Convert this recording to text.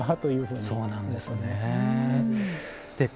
そうなんですね。